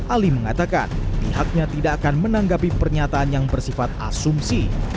ali mengatakan pihaknya tidak akan menanggapi pernyataan yang bersifat asumsi